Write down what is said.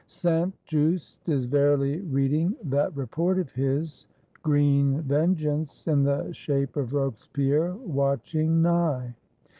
Saint Just is verily reading that report of his; green Vengeance, in the shape of Robespierre, watching nigh.